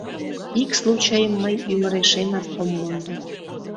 Ик случайым мый ӱмырешемат ом мондо.